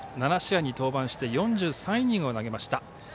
７試合に登板して４３イニングを投げました。